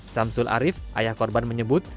samsul arief ayah korban menyebut